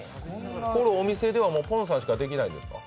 お店では、ポンさんしかできないんですか？